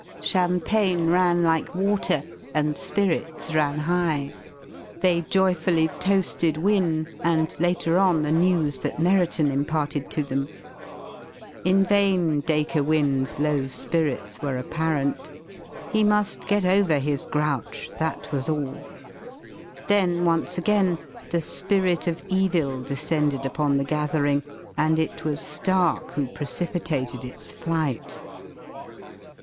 Champagne ran like water and spirits ran high. They joyfully toasted Wynne, and later on the news that Merriton imparted to them. In vain Dacre Wynne's low spirits were apparent. He must get over his grouch, that was all. Then once again the spirit of evil descended upon the gathering and it was Stark who precipitated its flight.